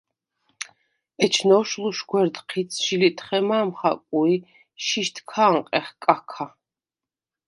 ეჩნოვშ ლუშგვერდ ჴიცს ჟი ლიტხე მა̄მ ხაკუ ი შიშდ ქ’ა̄ნყეხ კაქა.